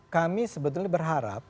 kami sebetulnya berharap